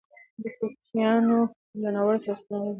کوچیان له ناوړه سیاستونو اغېزمن شوي دي.